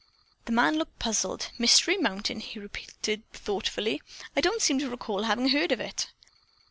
The man looked puzzled. "Mystery Mountain," he repeated thoughtfully. "I don't seem to recall having heard of it."